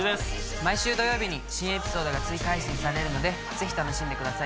毎週土曜日に新エピソードが追加配信されるのでぜひ楽しんでくださいね。